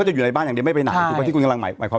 จะอยู่ในบ้านอย่างเดียวไม่ไปไหนถูกไหมที่คุณกำลังหมายความ